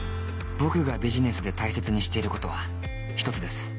僕がビジネスで大切にしていることは１つです。